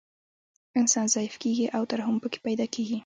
انسان ضعیف کیږي او ترحم پکې پیدا کیږي